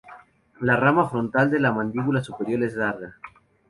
La rama frontal de la mandíbula superior es larga.